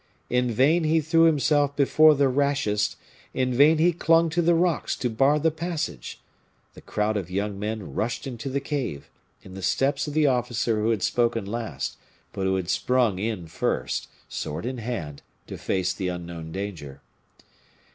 In vain he threw himself before the rashest; in vain he clung to the rocks to bar the passage; the crowd of young men rushed into the cave, in the steps of the officer who had spoken last, but who had sprung in first, sword in hand, to face the unknown danger.